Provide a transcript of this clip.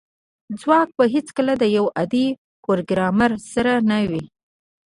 ځواک به هیڅکله د یو عادي پروګرامر سره نه وي